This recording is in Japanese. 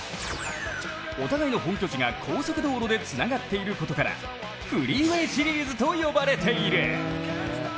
お互いの本拠地が高速道路でつながっていることからフリーウェイ・シリーズと呼ばれている。